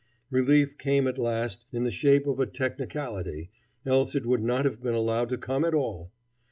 Relief came at last in the shape of a technicality, else it would not have been allowed to come at all.